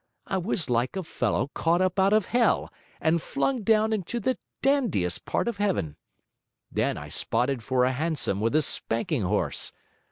I was like a fellow caught up out of Hell and flung down into the dandiest part of Heaven. Then I spotted for a hansom with a spanking horse.